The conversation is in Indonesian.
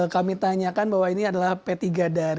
kami tanyakan bahwa ini adalah p tiga dari